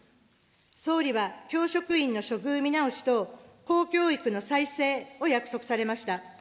総理は教職員の処遇見直し等、公教育の再生を約束されました。